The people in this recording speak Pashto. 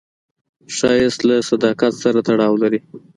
ښایست له صداقت سره تړاو لري